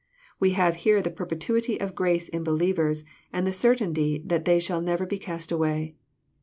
We have here the perpetuity of grace in believers, and the certainty that they shall never be cast away.